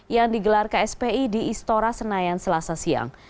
yang digelar kspi di istora senayan selasa siang